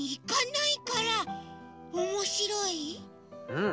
うん。